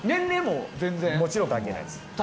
もちろん関係ないです。